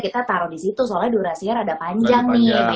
kita taruh di situ soalnya durasinya rada panjang nih